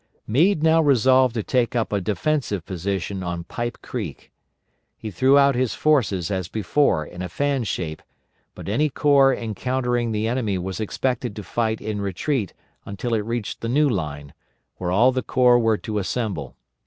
Meade now resolved to take up a defensive position on Pipe Creek. He threw out his forces as before in a fan shape, but any corps encountering the enemy was expected to fight in retreat until it reached the new line, where all the corps were to assemble.